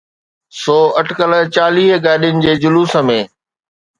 سو اٽڪل چاليهه گاڏين جي جلوس ۾.